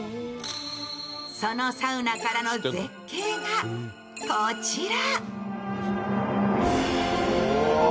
そのサウナからの絶景がこちら。